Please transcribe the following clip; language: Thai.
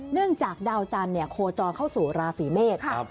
จากดาวจันทร์โคจรเข้าสู่ราศีเมษ